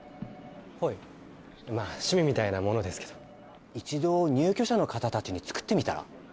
はいまあ趣味みたいなものですけど一度入居者の方達に作ってみたら？